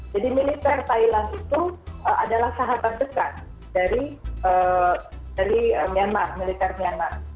jadi militer thailand itu adalah sahabat dekat dari militer myanmar